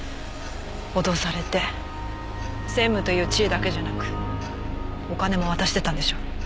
脅されて専務という地位だけじゃなくお金も渡してたんでしょ？